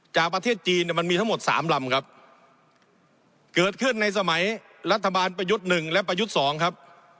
ประเทศจีนเนี่ยมันมีทั้งหมดสามลำครับเกิดขึ้นในสมัยรัฐบาลประยุทธ์หนึ่งและประยุทธ์สองครับ